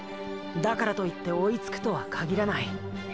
だからと言って追いつくとは限らない。